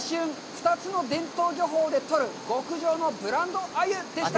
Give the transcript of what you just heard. ２つの伝統漁法で取る極上のブランドアユ」でした。